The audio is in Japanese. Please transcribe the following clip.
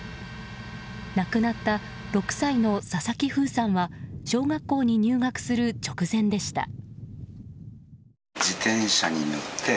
亡くなった６歳の佐々木楓さんは小学校に入学する直前でした。